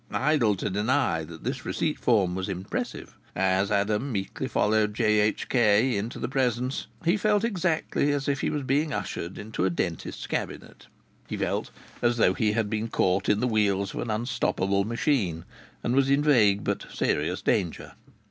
Idle to deny that this receipt form was impressive. As Adam meekly followed "J.H.K." in to the Presence, he felt exactly as if he was being ushered into a dentist's cabinet. He felt as though he had been caught in the wheels of an unstoppable machine and was in vague but serious danger.